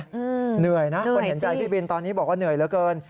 เหนื่อยนะคนเห็นใจพี่บินตอนนี้บอกว่าเหนื่อยเหลือเกิน